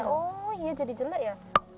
oh iya jadi jelek ya